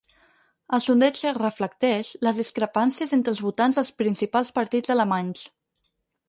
El sondeig reflecteix les discrepàncies entre els votants dels principals partits alemanys.